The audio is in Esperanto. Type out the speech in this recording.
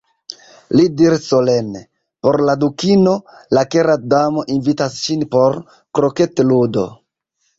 Li diris solene: "Por la Dukino, La Kera Damo invitas ŝin por kroketludo."